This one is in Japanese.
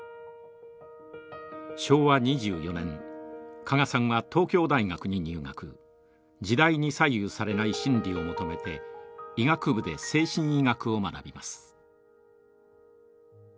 昭和２４年加賀さんは東京大学に入学時代に左右されない真理を求めて医学部で精神医学を学びます。